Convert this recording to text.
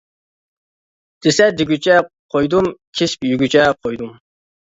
دېسە دېگۈچە قويدۇم، كېسىپ يېگۈچە قويدۇم.